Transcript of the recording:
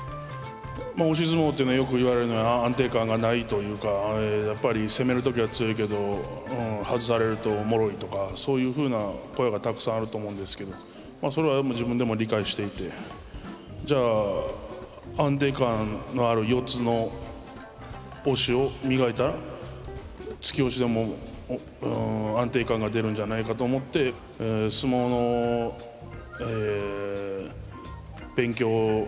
押し相撲っていうのはよく言われるのは安定感がないというかやっぱり攻める時は強いけど外されるともろいとかそういうふうな声がたくさんあると思うんですけどそれは自分でも理解していてじゃあ安定感のある四つの押しを磨いたら突き押しでも安定感が出るんじゃないかと思って相撲の勉強